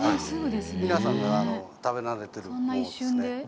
皆さんが食べ慣れているものですね。